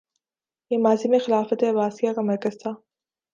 یہ ماضی میں خلافت عباسیہ کا مرکز تھا